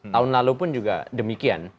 tahun lalu pun juga demikian